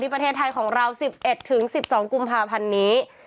ประเทศไทยของเรา๑๑๑๑๒กุมภาพันธ์นี้